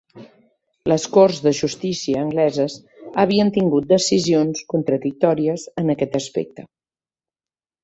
Les corts de justícia angleses havien tingut decisions contradictòries en aquest aspecte.